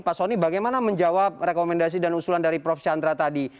pak soni bagaimana menjawab rekomendasi dan usulan dari prof chandra tadi